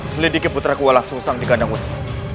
selidiki putraku walang sungsang di kandang wesi